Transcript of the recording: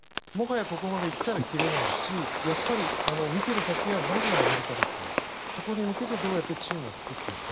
ここまでいったら切れないしやっぱり見てる先はまずはアメリカですからそこに向けて、どうやってチームを作っていくか。